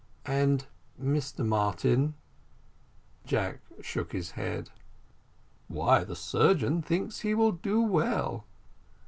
"And Mr Martin?" Jack shook his head. "Why, the surgeon thinks he will do well."